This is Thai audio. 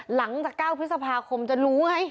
หลังจาก๙พฤษภาคมจะรู้ไง